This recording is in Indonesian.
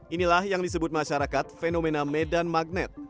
inilah yang disebut masyarakat fenomena medan magnet